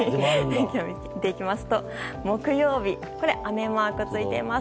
見ていきますと木曜日、雨マークついています。